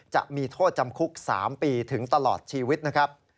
จะมีโทษจำคุก๓ปีถึงตลอดชีวิตนะครับ